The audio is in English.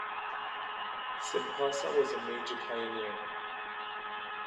Simpasa was a major pioneer.